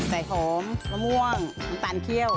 ใส่หอมมะม่วงมะตาลเขี้ยว